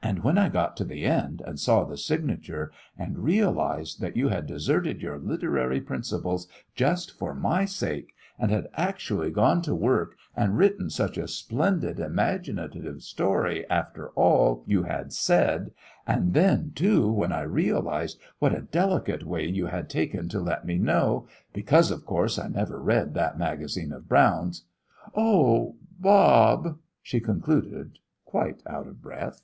And when I got to the end, and saw the signature, and realised that you had deserted your literary principles just for my sake, and had actually gone to work and written such a splendid imaginative story after all you had said; and then, too, when I realised what a delicate way you had taken to let me know because, of course, I never read that magazine of Brown's oh, Bob!" she concluded, quite out of breath.